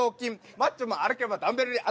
マッチョも歩けばダンベルに当たる。